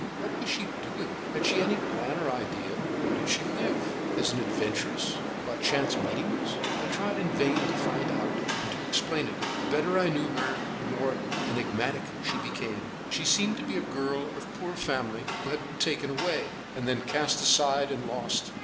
What was she doing? Had she any plan or idea? Where did she live? As an adventuress, or by chance meetings? I tried in vain to find out and to explain it. The better I knew her the more enigmatical she became. She seemed to be a girl of poor family who had been taken away, and then cast aside and lost.